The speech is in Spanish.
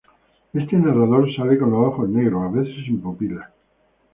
Este narrador sale con los ojos negros, a veces sin pupilas.